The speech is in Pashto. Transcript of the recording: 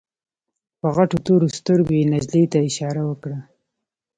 په غټو تورو سترګو يې نجلۍ ته اشاره وکړه.